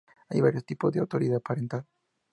Hay varios tipos de autoridad parental.